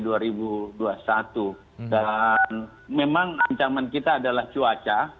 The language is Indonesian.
dan memang ancaman kita adalah cuaca